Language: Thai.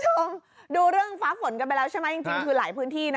คุณผู้ชมดูเรื่องฟ้าฝนกันไปแล้วใช่ไหมจริงคือหลายพื้นที่นะ